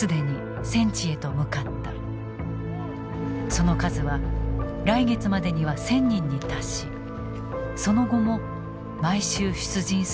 その数は来月までには１，０００人に達しその後も毎週出陣するという。